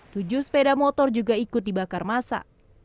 tujuh sepeda motor juga ikut dibakar masa